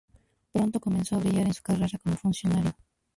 Pronto comenzó a brillar en su carrera como funcionario.